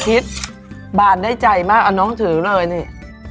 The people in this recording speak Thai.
อภิร์ฐบานได้ใจมากเอาน้องถือเลยนี่